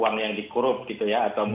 bukan soal jumlah kasus